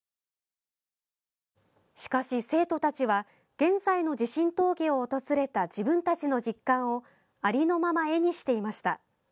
しかし、生徒たちは現在の地震峠を訪れた自分たちの実感をありのまま絵にしていました。